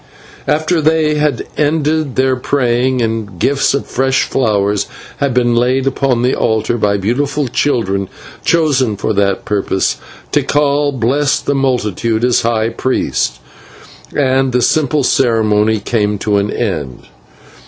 When they had ended their praying, and gifts of fresh flowers had been laid upon the altar by beautiful children chosen for that purpose, Tikal blessed the multitude as high priest, and the simple ceremony came to an end.